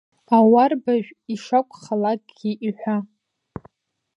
Ауарбажә ишакәхалакгьы иҳәа.